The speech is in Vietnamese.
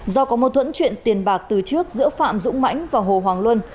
do có mâu thuẫn chuyện tiền bạc từ trước giữa phạm dũng mãnh và hồ hoàng luân